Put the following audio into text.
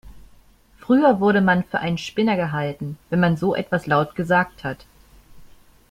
Früher wurde man für einen Spinner gehalten, wenn man so etwas laut gesagt hat.